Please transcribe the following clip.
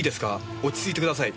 落ち着いてください。